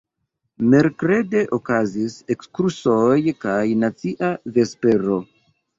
Merkrede okazis ekskursoj kaj nacia vespero.